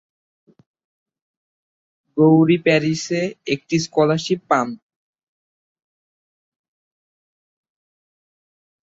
গৌরী প্যারিসে একটি স্কলারশিপ পান।